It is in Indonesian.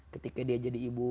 ketika dia jadi ibu